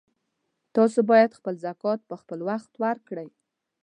تاسو باید خپل زکات په خپلوخت ورکړئ